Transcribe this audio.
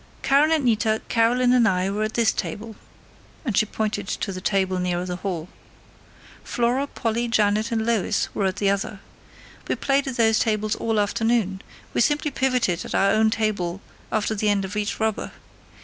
"Karen and Nita, Carolyn and I were at this table," and she pointed to the table nearer the hall. "Flora, Polly, Janet and Lois were at the other. We played at those tables all afternoon. We simply pivoted at our own table after the end of each rubber.